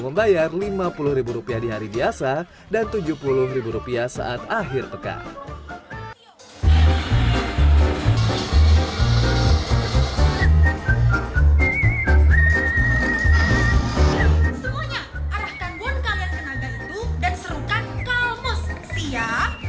membayar lima puluh rupiah di hari biasa dan tujuh puluh rupiah saat akhir pekan semuanya